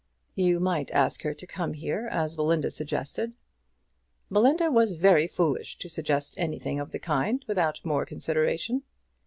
"You might ask her to come here, as Belinda suggested." "Belinda was very foolish to suggest anything of the kind without more consideration."